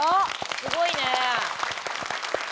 すごいね！